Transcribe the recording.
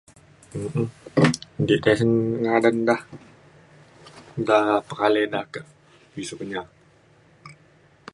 nti tisen ngadan da nta pekalei da ka pisiu Kenyah